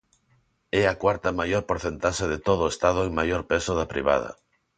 É a cuarta maior porcentaxe de todo o Estado en maior peso da privada.